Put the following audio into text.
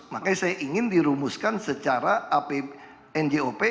makanya saya ingin dirumuskan secara apbnjop